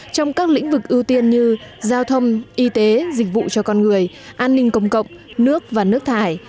trong các lĩnh vực ưu tiên như giao thông y tế dịch vụ cho con người an ninh công cộng nước và nước thải